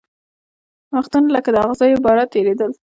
وختونه لکه د اغزیو باره تېرېدل